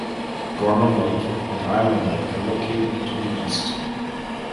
Gorman Lake and Island Lake are located to the east.